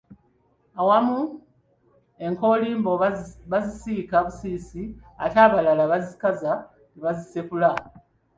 Awamu enkoolimbo bazisiika busiisi ate abalala bazikaza ne bazisekula.